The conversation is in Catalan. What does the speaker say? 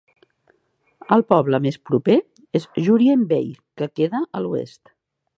El poble més proper és Jurien Bay, que queda a l'oest.